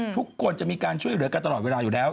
ทุกคนจะมีการช่วยเหลือกันตลอดเวลาอยู่แล้ว